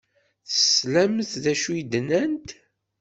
Teslamt d acu i d-nnant?